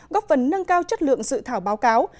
góp phần nâng cao chất lượng dự thảo báo cáo